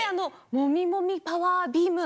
もみもみパワービーム。